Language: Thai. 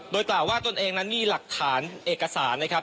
โดยกล่าวว่าตนเองนั้นมีหลักฐานเอกสารนะครับ